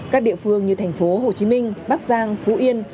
các địa phương như thành phố hồ chí minh bắc giang phú yên